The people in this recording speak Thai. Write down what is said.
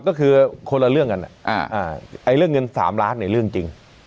ก็คือคนละเรื่องกันเรื่องเงิน๓ล้านเนี่ยเรื่องจริง